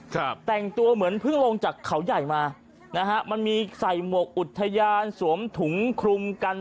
ครับแต่งตัวเหมือนเพิ่งลงจากเขาใหญ่มานะฮะมันมีใส่หมวกอุทยานสวมถุงคลุมกัน